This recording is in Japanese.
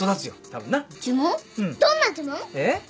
どんな呪文？えっ？